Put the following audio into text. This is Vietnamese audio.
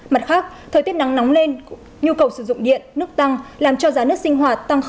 mặt khác thời tiết nắng nóng lên nhu cầu sử dụng điện nước tăng làm cho giá nước sinh hoạt tăng một mươi bốn